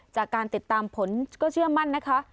จากการติดตามผลก็เชื่อมั่นนะคะ